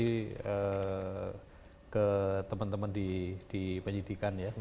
jadi ke teman teman di penyidikan ya